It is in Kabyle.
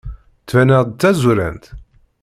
Ttbaneɣ-d d tazurant?